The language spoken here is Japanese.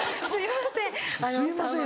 すいません。